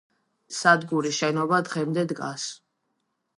სადგურის შენობა დღემდე დგას.